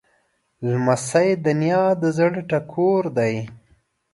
لمسی د نیا د زړه ټکور دی.